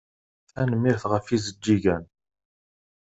Tanemmirt ɣef ijeǧǧigen.